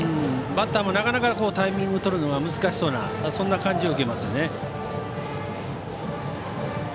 バッターもなかなかタイミングをとるのが難しそうな感じを受けますね。